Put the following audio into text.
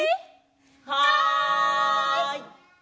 はい！